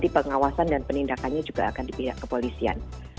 pengawasan dan penindakannya juga akan di pihak kepolisian